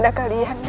putri ku rarasangga